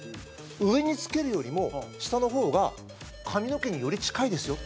上につけるよりも、下の方が髪の毛に、より近いですよって。